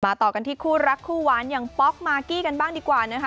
ต่อกันที่คู่รักคู่หวานอย่างป๊อกมากกี้กันบ้างดีกว่านะคะ